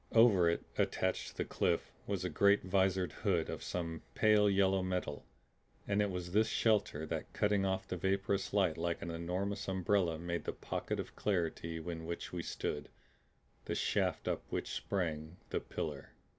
Over it, attached to the cliff, was a great vizored hood of some pale yellow metal, and it was this shelter that cutting off the vaporous light like an enormous umbrella made the pocket of clarity in which we stood, the shaft up which sprang the pillar.